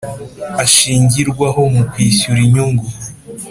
ashingirwaho mu kwishyura inyungu